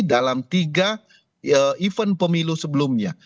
dalam tiga event pemilu sebelumnya